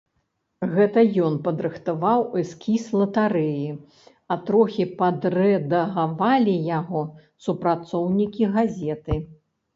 Гэта ён падрыхтаваў эскіз латарэі, а трохі падрэдагавалі яго супрацоўнікі газеты.